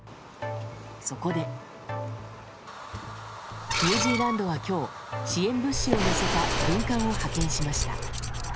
そこで、ニュージーランドは今日支援物資を載せた軍艦を派遣しました。